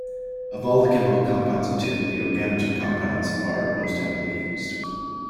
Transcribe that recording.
Of all the chemical compounds of tin, the organotin compounds are most heavily used.